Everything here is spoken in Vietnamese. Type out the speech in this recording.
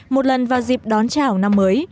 một lần vào dịp đón chảo năm mới